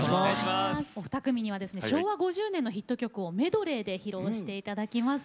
お二組にはですね昭和５０年のヒット曲をメドレーで披露して頂きます。